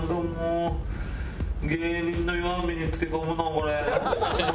芸人の弱みに付け込むのこれ。